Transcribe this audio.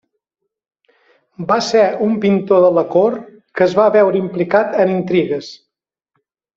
Va ser un pintor de la cort que es va veure implicat en intrigues.